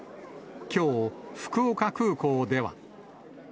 きょう、福岡空港では。